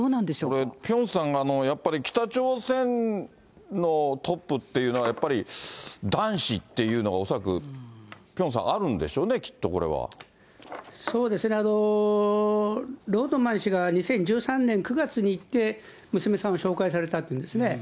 これ、ピョンさん、やっぱり北朝鮮のトップっていうのは、やっぱり男子っていうのが、恐らくピョンさん、あるんでしょうね、そうですね、ロッドマン氏が２０１３年９月に行って、娘さんを紹介されたっていうんですね。